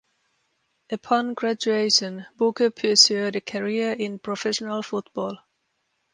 Upon graduation, Booker pursued a career in professional football.